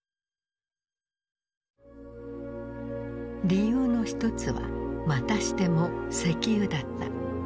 理由の一つはまたしても石油だった。